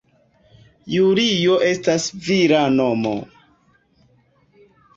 Julio estas vira nomo.